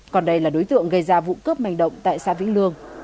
còn đây là đối tượng gây ra vụ cướp manh động tại xã vĩnh lương